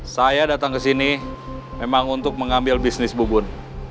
saya datang kesini memang untuk mengambil bisnis bobon